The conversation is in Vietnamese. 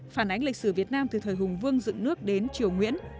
phản ánh lịch sử việt nam từ thời hùng vương dựng nước đến triều nguyễn